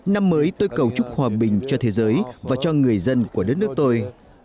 năm mới tôi cầu chúc hòa bình cho thế giới và cho người dân của đất nước tôi